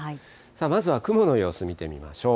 まずは雲の様子見てみましょう。